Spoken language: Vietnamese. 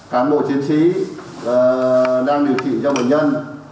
cán bộ chiến sĩ đang điều trị cho bệnh nhân